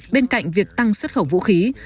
bên cạnh việc tăng xuất khẩu vũ khí